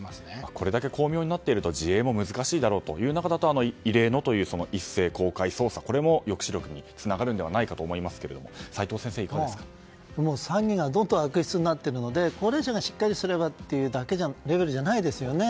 これだけ巧妙になっていると自衛も難しい中で異例の一斉公開捜査も抑止力につながるのではないかと思いますが詐欺がどんどん悪質になっているので高齢者がしっかりすればというレベルではないですよね。